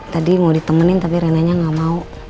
tadi mau ditemenin tapi renanya nggak mau